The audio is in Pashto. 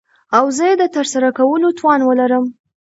او زه يې دترسره کولو توان وه لرم .